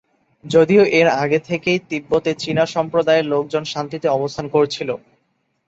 যদিও, এর আগে থেকেই তিব্বতে চীনা সম্প্রদায়ের লোকজন শান্তিতে অবস্থান করছিল।